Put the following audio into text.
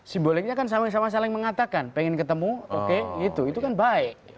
simboliknya kan sama sama saling mengatakan pengen ketemu oke itu itu kan baik